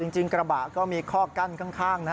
จริงกระบะก็มีข้อกั้นข้างนะ